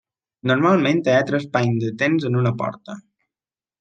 Normalment hi ha tres panys de temps en una porta.